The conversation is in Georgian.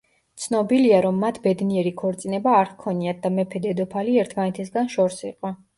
ცნობილია, რომ მათ ბედნიერი ქორწინება არ ჰქონიათ და მეფე-დედოფალი ერთმანეთისგან შორს იყო.